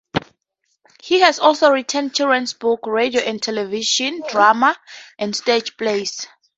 He has also written children's books, radio and television dramas and stage plays.